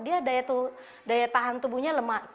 dia daya tahan tubuhnya lemah